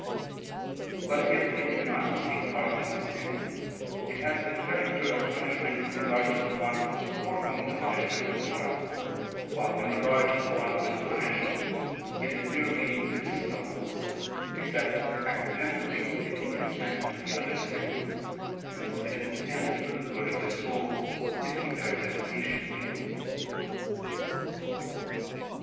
But if they do not take part in the sin, it has the character of punishment in regard to the one for whom the punishment is borne, while, in regard to the one who is punished, it is merely medicinal (except accidentally, if he consent to the other's sin), since it is intended for the good of his soul, if he bears it patiently.